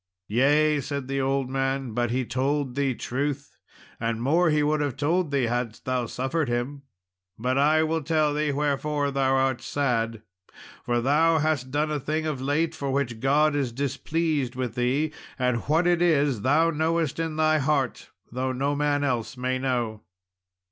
"Yea," said the old man, "but he told thee truth, and more he would have told thee hadst thou suffered him. But I will tell thee wherefore thou art sad, for thou hast done a thing of late for which God is displeased with thee, and what it is thou knowest in thy heart, though no man else may know."